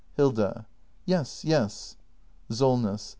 Hilda. Yes, yes. Solness.